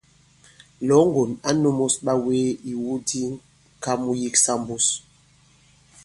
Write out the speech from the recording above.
Lɔ̌ŋgòn ǎ nūmus ɓawee ìwu di ŋ̀ka mu yiksa mbus.